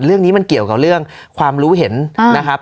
เรื่องนี้มันเกี่ยวกับเรื่องความรู้เห็นนะครับ